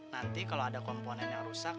nanti kalau ada komponen yang rusak